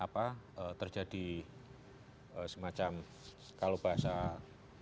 ya pasti buktinya misalnya saat terjadi semacam kalau bahasa kamu kegaduan ya soal blok masyela